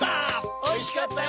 おいしかったよ！